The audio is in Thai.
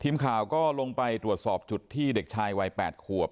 ทีมข่าวก็ลงไปตรวจสอบจุดที่เด็กชายวัย๘ขวบ